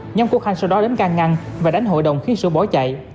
nhóm của khanh sau đó đánh ca ngăn và đánh hội đồng khiến sửu bỏ chạy